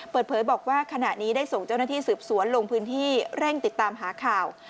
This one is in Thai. เปิดเผยบอกว่าขณะนี้ได้ส่งเจ้าหน้าที่สืบสวนลงพื้นที่เร่งติดตามหาข่าว